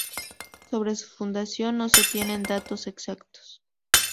Sobre su fundación no se tienen datos exactos.